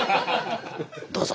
どうぞ」。